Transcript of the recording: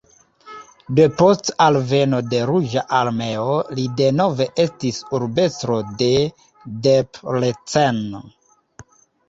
Depost alveno de Ruĝa Armeo li denove estis urbestro de Debrecen.